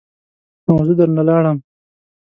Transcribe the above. او زه در نه لاړم.